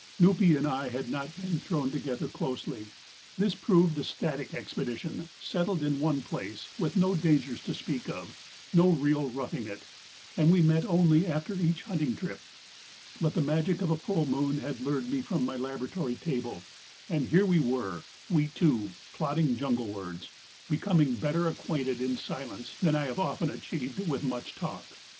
Nupee and I had not been thrown together closely. This had proved a static expedition, settled in one place, with no dangers to speak of, no real roughing it, and we met only after each hunting trip. But the magic of a full moon had lured me from my laboratory table, and here we were, we two, plodding junglewards, becoming better acquainted in silence than I have often achieved with much talk.